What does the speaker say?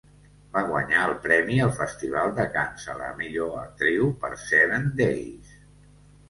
Va guanyar el premi al Festival de Cannes a la millor actriu per Seven Days...